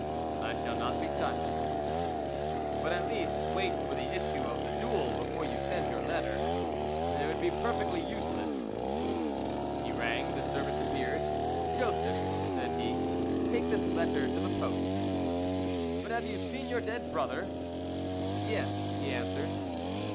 "I shall not be touched." "But, at least, wait for the issue of the duel, before you send your letter." "It would be perfectly useless." He rang, the servant appeared. "Joseph," said he, "take this letter to the post." "But have you seen your dead brother?" "Yes," he answered.